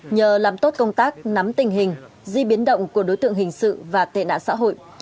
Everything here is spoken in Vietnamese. nhờ làm tốt công tác nắm tình hình di biến động của đối tượng hình sự và tệ nạn xã hội